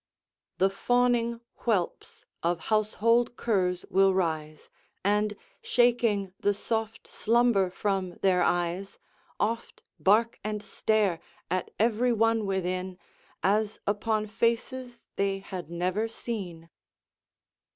"The fawning whelps of household curs will rise, And, shaking the soft slumber from their eyes, Oft bark and stare at ev'ry one within, As upon faces they had never seen."